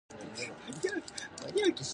りんごは食物繊維とビタミン C が豊富です